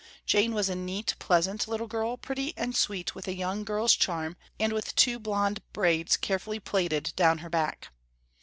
Jane was a neat, pleasant little girl, pretty and sweet with a young girl's charm, and with two blonde braids carefully plaited down her back.